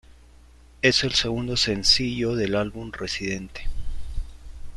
Es el segundo sencillo del álbum Residente.